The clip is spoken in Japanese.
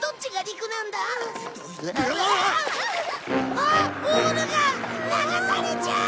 あっオールが流されちゃう！